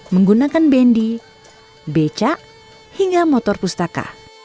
menggunakan bendi becak hingga motor pustaka